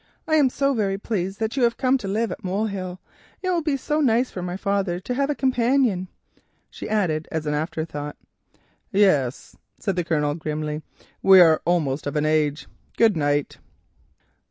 I am so very pleased that you have come to live at Molehill; it will be so nice for my father to have a companion," she added as an afterthought. "Yes," said the Colonel grimly, "we are almost of an age—good night."